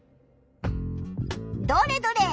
どれどれ？